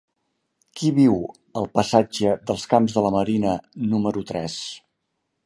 Qui viu al passatge dels Camps de la Marina número tres?